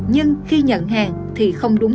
nhưng khi nhận hàng thì không đúng